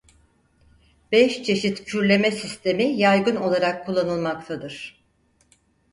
Beş çeşit kürleme sistemi yaygın olarak kullanılmaktadır.